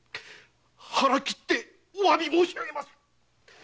腹切ってお詫び申しあげます！